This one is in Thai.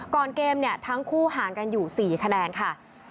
ก่อนเกมเนี่ยทั้งคู่ห่างกันอยู่๔คะแนนค่ะ